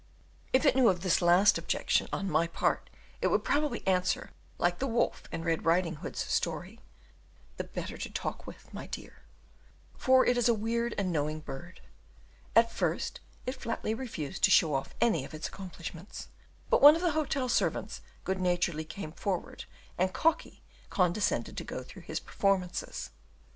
If it knew of this last objection on my part, it would probably answer, like the wolf in Red Riding Hood's story, "the better to talk with, my dear" for it is a weird and knowing bird. At first it flatly refused to show off any of its accomplishments, but one of the hotel servants good naturedly came forward, and Cocky condescended to go through his performances.